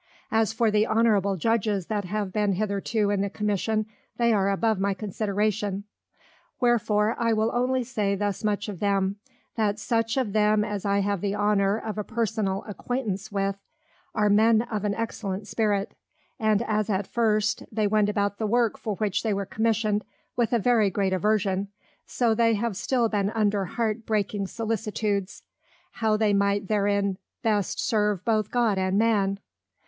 As for the Honourable Judges that have been hitherto in the Commission, they are above my Consideration: wherefore I will only say thus much of them, That such of them as I have the Honour of a Personal Acquaintance with, are Men of an excellent Spirit; and as at first they went about the work for which they were Commission'd, with a very great aversion, so they have still been under Heart breaking Sollicitudes, how they might therein best serve both God and Man?